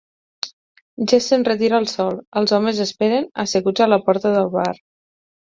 Ja s'enretira el sol: els homes esperen, asseguts a la porta del bar.